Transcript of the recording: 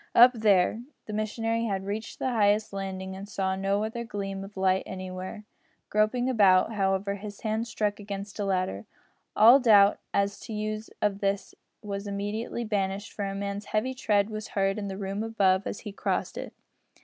"Up there!" The missionary had reached the highest landing, and saw no other gleam of light anywhere. Groping about, however, his hand struck against a ladder. All doubt as to the use of this was immediately banished, for a man's heavy tread was heard in the room above as he crossed it.